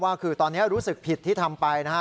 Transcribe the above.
ว่าคือตอนนี้รู้สึกผิดที่ทำไปนะฮะ